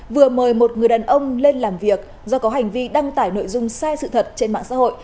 vừa mời một người đàn ông lên làm việc do có hành vi đăng tải nội dung sai sự thật trên mạng xã hội